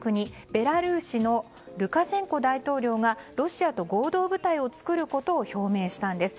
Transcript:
ベラルーシのルカシェンコ大統領がロシアと合同部隊を作ることを表明したんです。